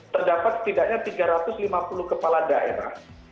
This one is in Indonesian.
terdapat setidaknya tiga ratus lima puluh kepala daerah